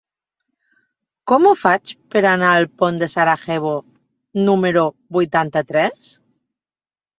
Com ho faig per anar al pont de Sarajevo número vuitanta-tres?